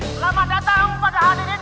selamat datang pada hadirin